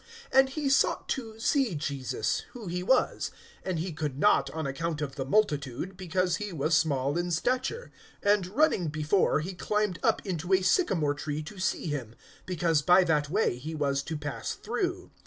(3)And he sought to see Jesus, who he was; and he could not on account of the multitude, because he was small in stature. (4)And running before, he climbed up into a sycamore tree to see him; because by that way he was to pass through.